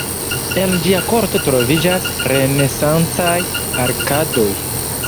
En ĝia korto troviĝas renesancaj arkadoj.